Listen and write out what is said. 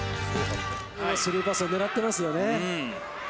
スルーパスを狙ってますよね。